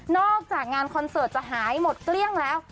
อกจากงานคอนเสิร์ตจะหายหมดเกลี้ยงแล้ว